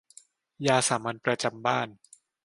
ยาสามัญประจำบ้าน